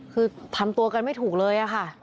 คือทำตัวกันไม่ถูกเลยค่ะ